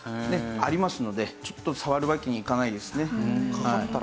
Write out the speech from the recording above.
ありますのでちょっと触るわけにはいかないですね。